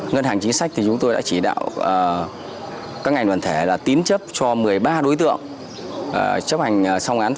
ngân hàng chính sách chúng tôi đã chỉ đạo các ngành đoàn thẻ tín chấp cho một mươi ba đối tượng chấp hành xong án tù trở về